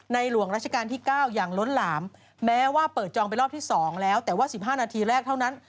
หลวงราชการที่๙อย่างล้นหลามแม้ว่าเปิดจองไปรอบที่๒แล้วแต่ว่า๑๕นาทีแรกเท่านั้น